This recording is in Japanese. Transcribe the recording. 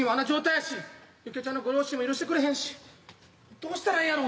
やし幸恵ちゃんのご両親も許してくれへんしどうしたらええんやろ。